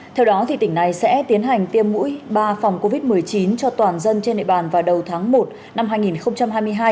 theo đó tỉnh này sẽ tiến hành tiêm mũi ba phòng covid một mươi chín cho toàn dân trên địa bàn vào đầu tháng một năm hai nghìn hai mươi hai